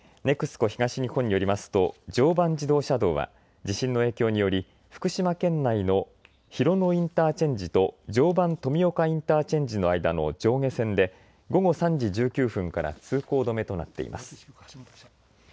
ＮＥＸＣＯ東日本によりますと常磐自動車道は地震の影響により福島県内の広野インターチェンジと常磐富岡インターチェンジの間の上下線で午後３時１９分から通行止めとなっています。